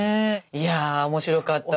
いや面白かったわ。